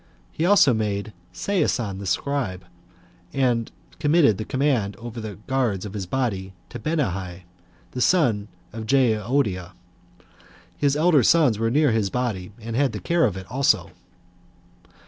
He also made Seisan the scribe, and committed the command over the guards of his body to Benaiah; the son of Jehoiada. His elder sons were near his body, and had the care of it also.